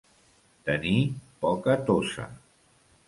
Tenir poca tossa.